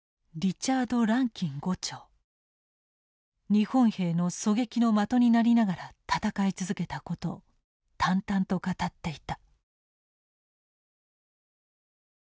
日本兵の狙撃の的になりながら戦い続けたことを淡々と語っていた。